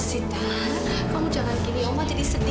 sita kamu jangan gini om jadi sedih